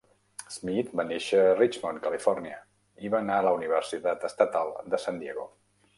Smith va néixer a Richmond, California, i va anar a la Universitat Estatal de San Diego.